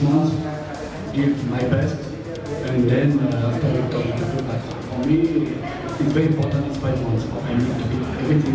untuk saya itu sangat penting lima bulan saya harus melakukan segalanya saya harus berada di posisi di pangkalan untuk kumpulan